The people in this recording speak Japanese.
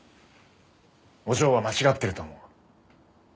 お嬢は間違ってると思う。